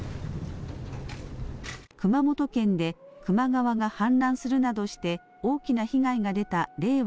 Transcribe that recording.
熊本県で球磨川が氾濫するなどして大きな被害が出た令和